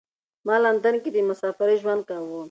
ما لندن کې د مسافرۍ ژوند کاوه.